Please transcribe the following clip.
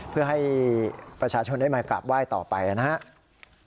เพื่อให้ประชาชนได้มากราบไหว้ต่อไปนะครับ